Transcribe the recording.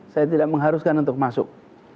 saya tidak mengharuskan untuk masuk